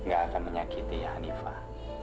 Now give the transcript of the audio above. gak akan menyakiti hanifah